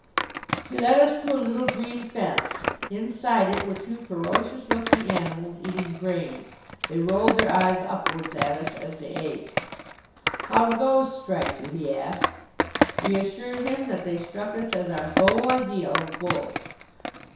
He led us to a little green fence. Inside it were two ferocious looking animals, eating grain. They rolled their eyes upwards at us as they ate. "How do those strike you?" he asked. We assured him that they struck us as our beau ideal of bulls.